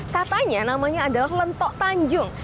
katanya namanya adalah lentok tanjung